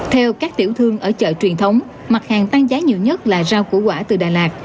theo các tiểu thương ở chợ truyền thống mặt hàng tăng giá nhiều nhất là rau củ quả từ đà lạt